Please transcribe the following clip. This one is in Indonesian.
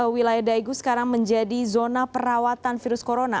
wilayah daegu sekarang menjadi zona perawatan virus corona